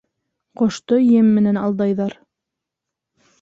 Ҡошто ем менән алдайҙар.